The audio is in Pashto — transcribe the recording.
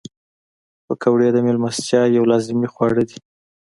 پکورې د میلمستیا یو لازمي خواړه دي